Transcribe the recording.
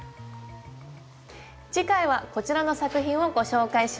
次回はこちらの作品をご紹介します。